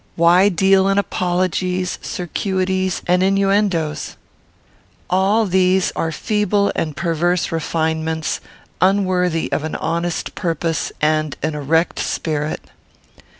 why deal in apologies, circuities, and innuendoes? All these are feeble and perverse refinements, unworthy of an honest purpose and an erect spirit.